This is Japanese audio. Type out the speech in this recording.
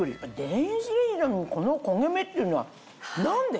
電子レンジでもこの焦げ目っていうのは何で？